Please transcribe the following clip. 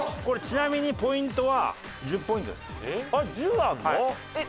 これちなみにポイントは１０ポイントです。